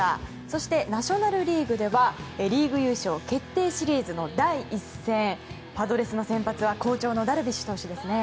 そして、ナショナル・リーグではリーグ優勝決定シリーズの第１戦パドレスの先発は好調のダルビッシュ投手ですね。